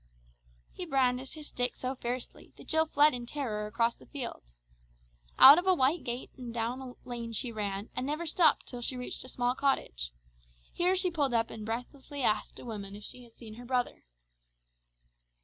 He brandished his stick so fiercely, that Jill fled in terror across the field. Out of a white gate and down a lane she ran, and never stopped till she reached a small cottage. Here she pulled up and breathlessly asked a woman if she had seen her brother.